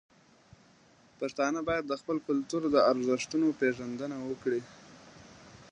پښتانه باید د خپل کلتور د ارزښتونو پیژندنه وکړي.